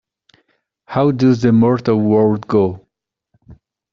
How does the mortal world go?